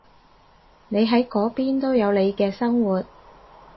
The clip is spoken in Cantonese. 你喺嗰邊都有你嘅生活